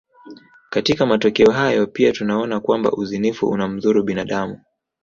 Katika matokeo hayo pia tunaona kwamba uzinifu unamdhuru binadamu